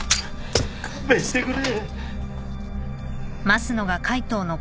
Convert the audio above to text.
勘弁してくれ。